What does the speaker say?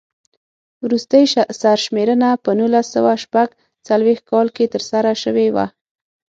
وروستۍ سر شمېرنه په نولس سوه شپږ څلوېښت کال کې ترسره شوې وه.